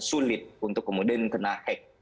sulit untuk kemudian kena hek